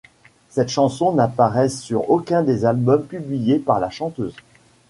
Cette chanson n'apparaît sur aucun des albums publiés par la chanteuse.